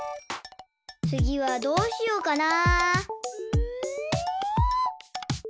つぎはどうしようかな？